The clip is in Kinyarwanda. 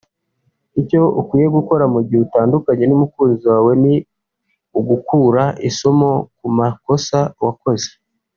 Icyo ukwiye gukora igihe utandukanye n’umukunzi wawe ni ugukura isomo ku makosa wakoze